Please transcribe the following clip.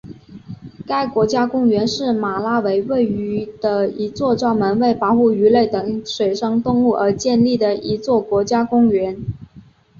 该国家公园是马拉维位于的一座专门为保护鱼类等水生动物而建立的一座国家公园。